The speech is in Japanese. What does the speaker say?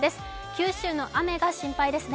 九州の雨が心配ですね。